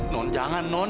non jangan non